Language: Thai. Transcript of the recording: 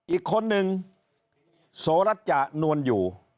อีกคนนึงโสรัชจนวลอยู่